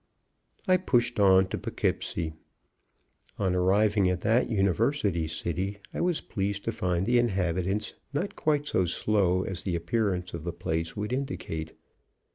I pushed on to Poughkeepsie. Upon arriving at that university city I was pleased to find the inhabitants not quite so slow as the appearance of the place would indicate.